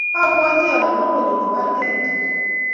abwatii ale mokunyo kobargei Tom.